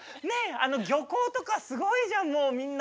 漁港とかすごいじゃんもうみんな。